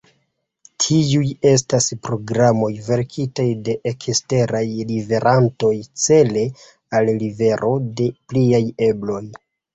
Tiuj estas programoj verkitaj de eksteraj liverantoj, cele al livero de pliaj ebloj.